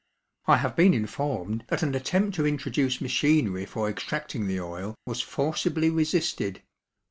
I have been informed that an attempt to introduce machinery for extracting the oil was forcibly resisted.